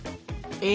え！